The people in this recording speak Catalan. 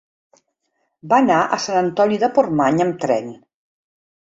Va anar a Sant Antoni de Portmany amb tren.